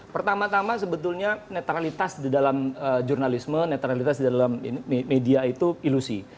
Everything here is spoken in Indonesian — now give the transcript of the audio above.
pertama tama sebetulnya netralitas di dalam jurnalisme netralitas di dalam media itu ilusi